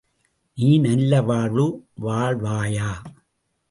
நீ நல்ல வாழ்வு வாழ்வாயா?